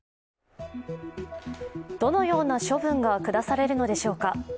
どのような処分が下されるのでしょうか。